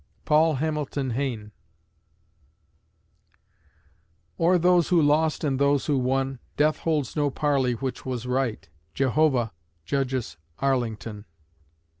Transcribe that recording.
PAUL HAMILTON HAYNE O'er those who lost and those who won, Death holds no parley which was right JEHOVAH judges Arlington.